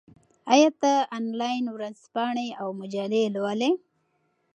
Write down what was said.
آیا ته انلاین ورځپاڼې او مجلې لولې؟